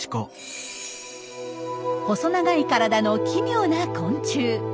細長い体の奇妙な昆虫。